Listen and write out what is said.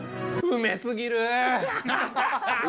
うめすぎる？